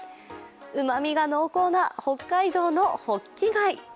うまみが濃厚な北海道のホッキ貝。